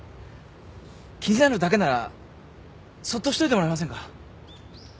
気になるだけならそっとしといてもらえませんか。